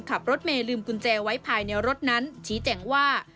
กุญแจไว้ภายในรถนั้นชี้แจ่งว่า